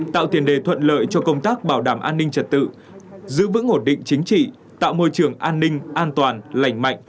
tạo tiền đề thuận lợi cho công tác bảo đảm an ninh trật tự giữ vững ổn định chính trị tạo môi trường an ninh an toàn lành mạnh